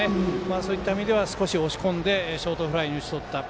そういった意味では少し押し込んでショートフライに打ち取った。